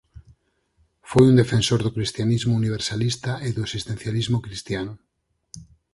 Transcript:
Foi un defensor do cristianismo universalista e do existencialismo cristián.